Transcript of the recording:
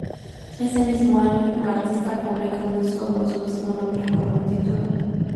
Ese mismo año, la artista publica un disco con su mismo nombre como título.